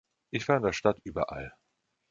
Ich war in der Stadt überall.